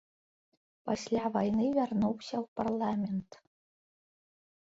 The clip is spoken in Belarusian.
Пасля вайны вярнуўся ў парламент.